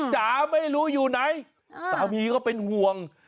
จ๋าไม่รู้อยู่ไหนสามีก็เป็นห่วง